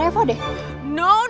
dia kata disini